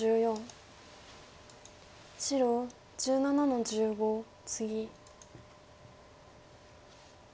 白１７の十五ツギ。